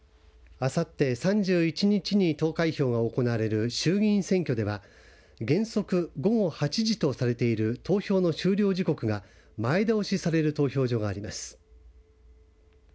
あさって３１日に投開票が行われる衆議院選挙では、原則午後８時とされている投票の終了時刻が前倒しされる投票所があります。